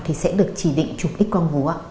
thì sẽ được chỉ định trục x quang vố ạ